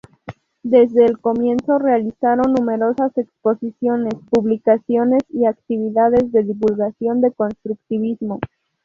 Desde el comienzo realizaron numerosas exposiciones, publicaciones y actividades de divulgación del constructivismo.